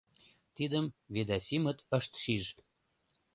Тидым Ведасимыт ышт шиж.